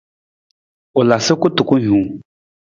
U la sa kutukun hiwung.